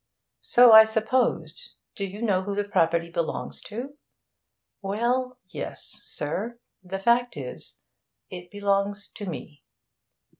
'So I supposed. Do you know who the property belongs to?' 'Well, yes, sir. The fact is it belongs to me.'